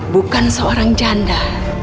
bukan seorang janda